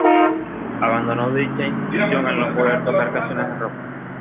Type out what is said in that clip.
Abandonó dicha institución al no poder tocar canciones de rock.